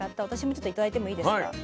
私もちょっと頂いてもいいですか？